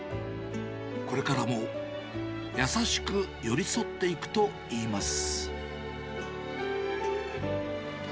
これからも、優しく寄り添っていくといいます。